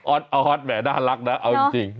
ออสแหมน่ารักนะเอาจริง